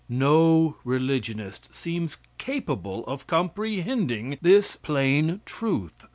No religionist seems capable of comprehending this plain truth.